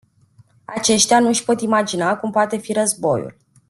Aceștia nu-și pot imagina cum poate fi războiul.